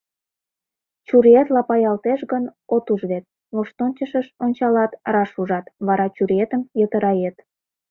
Чуриет лапаялтеш гын, от уж вет; воштончышыш ончалат — раш ужат, вара чуриетым йытырает.